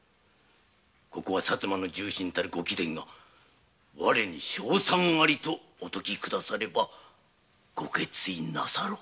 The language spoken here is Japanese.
ここは薩摩の重臣の御貴殿が「我に勝算あり」とお説きくだされば御決意なさる。